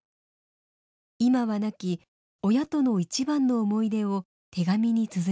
今は亡き親との一番の思い出を手紙につづりました。